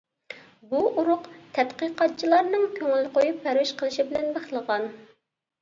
بۇ ئۇرۇق تەتقىقاتچىلارنىڭ كۆڭۈل قويۇپ پەرۋىش قىلىشى بىلەن بىخلىغان.